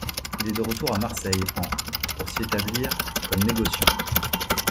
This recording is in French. Il est de retour à Marseille en pour s’y établir comme négociant.